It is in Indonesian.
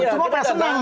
cuma pak senang